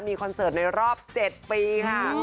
มีคอนเสิร์ตในรอบ๗ปีค่ะ